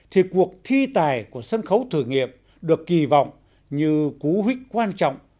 thì cuộc thi tài của sân khấu thử nghiệp được kỳ vọng như cú huyết quan trọng